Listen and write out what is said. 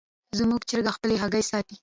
زموږ چرګه خپلې هګۍ ساتي.